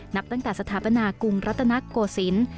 นับตั้งแต่สถาปนากรุงรัตนโกศิลป์